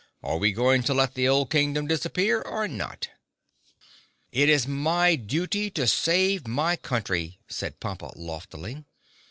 "Are we going to let the old Kingdom disappear or not?" "It is my duty to save my country," said Pompa loftily.